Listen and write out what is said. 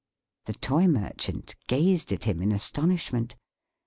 The Toy Merchant gazed at him in astonishment.